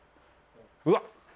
うわっ！